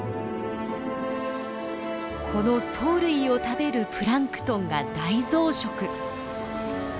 この藻類を食べるプランクトンが大増殖。